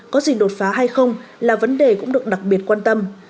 có gì đột phá hay không là vấn đề cũng được đặc biệt quan tâm